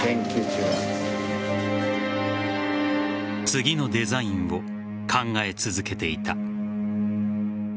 次のデザインを考え続けていた。